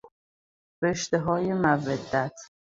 رشتههای مودت